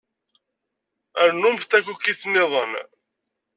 Rnumt takukit-nniḍen.